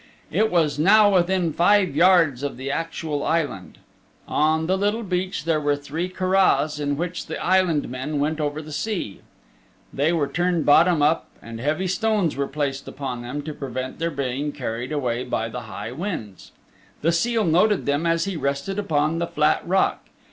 It was now within five yards of the actual island. On the little beach there were three curraghs in which the island men went over the sea; they were turned bottom up and heavy stones were placed upon them to prevent their being carried away by the high winds. The seal noted them as he rested upon the flat rock.